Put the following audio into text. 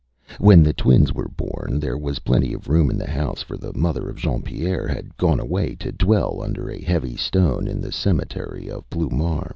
When the twins were born there was plenty of room in the house, for the mother of Jean Pierre had gone away to dwell under a heavy stone in the cemetery of Ploumar.